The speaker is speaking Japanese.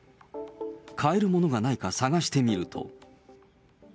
買えるものがないか探してみると。